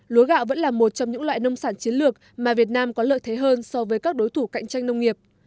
lúa gạo vẫn là một trong những loại nông sản chiến lược mà việt nam có lợi thế hơn so với các đối thủ cạnh tranh nông nghiệp